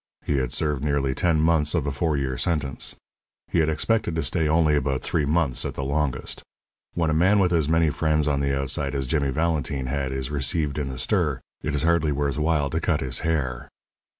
He had served nearly ten months of a four year sentence. He had expected to stay only about three months, at the longest. When a man with as many friends on the outside as Jimmy Valentine had is received in the "stir" it is hardly worth while to cut his hair.